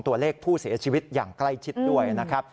ตัวเลขผู้เสียชีวิตอย่างใกล้ชิดด้วยนะครับ